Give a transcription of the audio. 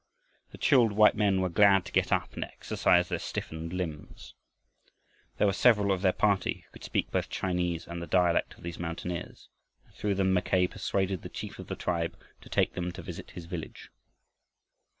The chilled white men were glad to get up and exercise their stiffened limbs. There were several of their party who could speak both Chinese and the dialect of these mountaineers, and through them Mackay persuaded the chief of the tribe to take them to visit his village.